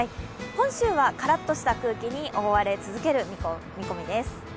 本州はカラッとした空気に覆われ続ける見込みです。